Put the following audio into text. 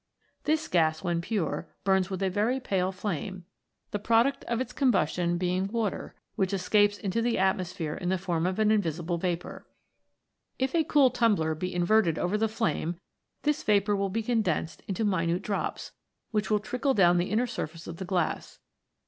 This gas when pure burns with a very pale flame, the pro duct of its combustion being water, which escapes into the atmosphere in the form of an invisible vapour. If a cool tumbler be inverted over the flame this vapour will be condensed into minute drops, which will trickle down the inner surface of the glass.